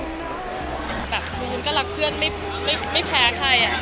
คือวุ้นก็รักเพื่อนไม่แพ้ใคร